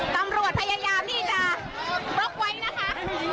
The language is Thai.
ตำรวจพยายามที่จะบล็อกไว้นะคะ